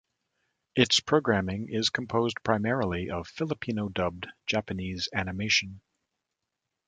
Its programming is composed primarily of Filipino-dubbed Japanese animation.